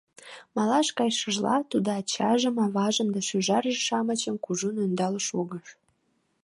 Малаш кайышыжла, тудо ачажым, аважым да шӱжарже-шамычым кужун ӧндал шогыш.